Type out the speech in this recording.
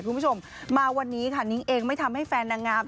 คุณผู้ชมมาวันนี้ค่ะนิ้งเองไม่ทำให้แฟนนางงาม